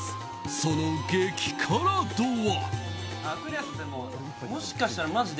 その激辛度は。